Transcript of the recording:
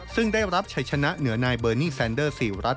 ซึ่งได้รับชัยชนะเหนือนายเบอร์นี่แซนเดอร์๔รัฐ